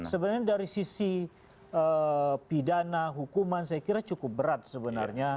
sebenarnya dari sisi pidana hukuman saya kira cukup berat sebenarnya